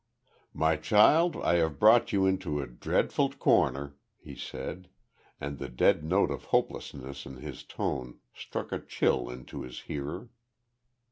"My child, I have brought you into a dreadful corner," he said, and the dead note of hopelessness in his tone struck a chill into his hearer.